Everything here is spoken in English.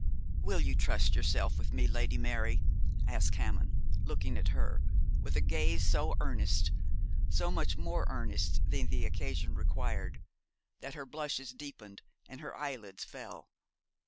'Will you trust yourself with me, Lady Mary?' asked Hammond, looking at her with a gaze so earnest so much more earnest than the occasion required that her blushes deepened and her eyelids fell.